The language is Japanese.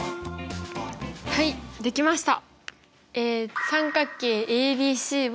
はいできました。